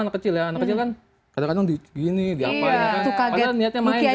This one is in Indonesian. anak kecil ya anak kecil kan kadang kadang di gini di apa itu kaget buki aja kaget kan